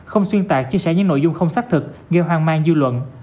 không xuyên tạc chia sẻ những nội dung không xác thực gây hoang mang dư luận